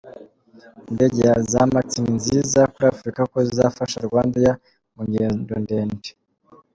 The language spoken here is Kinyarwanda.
Indege za Max ni nziza kuri Afurika kuko zizafasha RwandAir mu ngendo ndende.